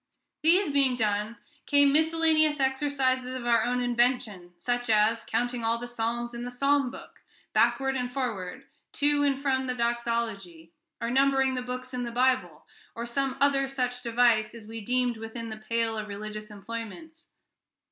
These being done, came miscellaneous exercises of our own invention, such as counting all the psalms in the psalm book, backward and forward, to and from the Doxology, or numbering the books in the Bible, or some other such device as we deemed within the pale of religious employments.